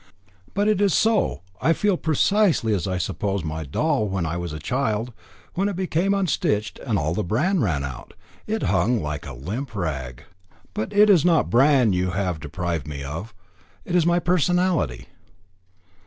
"But it is so. I feel precisely as I suppose felt my doll when I was a child, when it became unstitched and all the bran ran out; it hung limp like a rag. But it is not bran you have deprived me of, it is my personality."